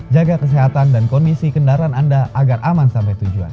jaga kesehatan dan kondisi kendaraan anda agar aman sampai tujuan